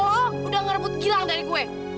lo udah ngerebut gilang dari kue